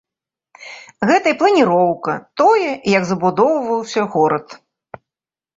Гэта і планіроўка, тое, як забудоўваўся горад.